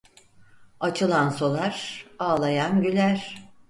Açılan solar, ağlayan güler.